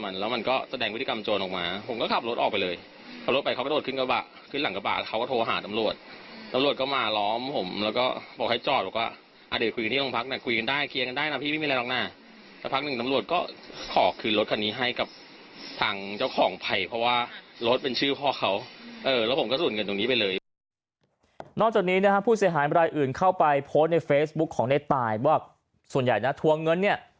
นอกจากนี้นะฮะผู้เสียหายรายอื่นเข้าไปโพสต์ในเฟซบุ๊คของในตายบอกส่วนใหญ่นะทวงเงินเนี่ย